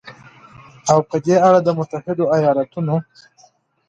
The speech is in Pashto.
او په دې اړه د متحدو ایالتونو